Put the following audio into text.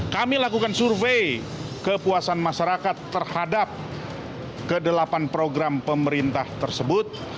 kami lakukan survei kepuasan masyarakat terhadap kedelapan program pemerintah tersebut